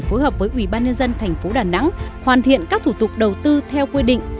phối hợp với ubnd tp đà nẵng hoàn thiện các thủ tục đầu tư theo quy định